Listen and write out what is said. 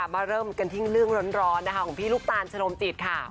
มาเริ่มกันที่เรื่องร้อนของพี่ลูกตาลชนมจิต